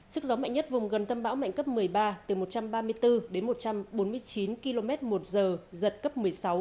sức gió mạnh nhất vùng gần tâm bão mạnh cấp một mươi ba từ một trăm ba mươi bốn đến một trăm bốn mươi chín km một giờ giật cấp một mươi sáu